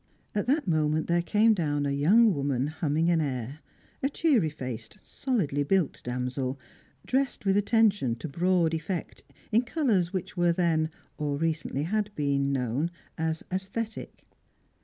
At that moment there came down a young woman humming an air; a cheery faced, solidly built damsel, dressed with attention to broad effect in colours which were then or recently had been known as "aesthetic."